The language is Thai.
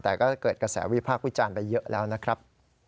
แต่ก็เกิดกระแสวิพากษ์วิจารณ์ไปเยอะแล้วนะครับ